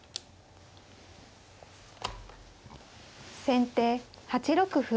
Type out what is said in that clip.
先手８六歩。